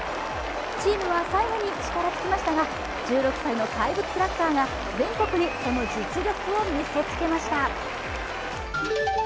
チームは最後に力尽きましたが、１６歳の怪物スラッガーが、全国にその実力を見せつけました。